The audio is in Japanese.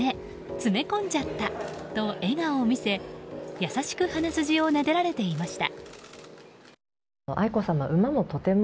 詰め込んじゃったと笑顔を見せ優しく鼻筋をなでられていました。